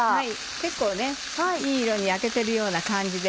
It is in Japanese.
結構いい色に焼けてるような感じで。